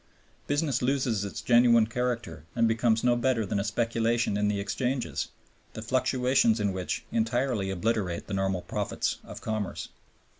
Business loses its genuine character and becomes no better than a speculation in the exchanges, the fluctuations in which entirely obliterate the normal profits of commerce.